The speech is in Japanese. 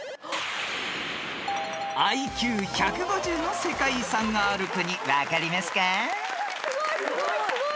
［ＩＱ１５０の世界遺産がある国分かりますか？］